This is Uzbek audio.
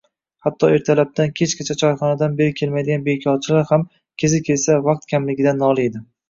Hatto ertalabdan kechgacha choyxonadan beri kelmaydigan bekorchilar ham, kezi kelsa, vaqt kamligidan noliydi.